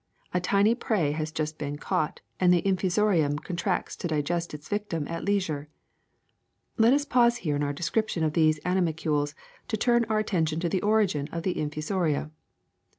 A tiny prey has just been caught and the infusorium contracts to digest its victim at leisure. Let us pause here in our description of these animalcules and turn our attention to the origin of the infusoria.